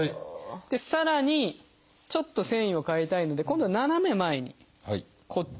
さらにちょっと線維を変えたいので今度は斜め前にこっちですね。